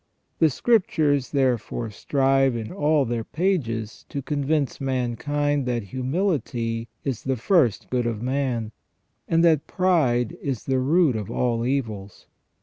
The Scriptures therefore strive in all their pages to convince mankind that humility is the first good of man, and that pride is the root of all evils.